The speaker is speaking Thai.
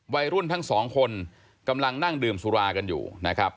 วัยรุ่นทั้งสองคนกำลังนั่งดื่มสุรากันอยู่นะครับ